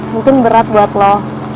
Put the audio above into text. mungkin berat buat lo